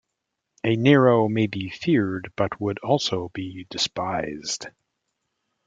A Nero may be feared, but would also be despised.